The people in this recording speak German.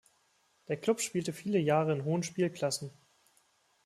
Der Club spielte viele Jahre in hohen Spielklassen.